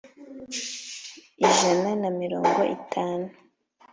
Ijana na mirongo itanu